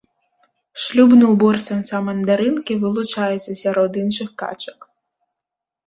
Шлюбны ўбор самца мандарынкі вылучаецца сярод іншых качак.